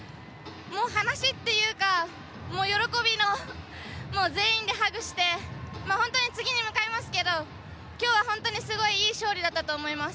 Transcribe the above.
話っていうか、喜びの全員でハグして本当に次に向かいますけど今日は本当に、すごいいい勝利だったと思います。